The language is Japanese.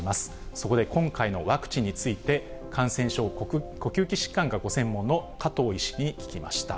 そこで今回のワクチンについて、感染症呼吸器疾患がご専門の加藤医師に聞きました。